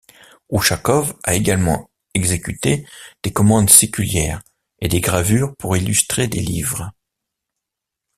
Ouchakov a également exécuté des commandes séculières et des gravures pour illustrer des livres.